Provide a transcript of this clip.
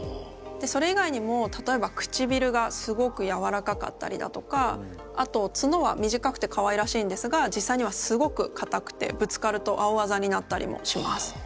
それ以外にも例えばくちびるがすごくやわらかかったりだとかあと角は短くてかわいらしいんですが実際にはすごく硬くてぶつかると青あざになったりもします。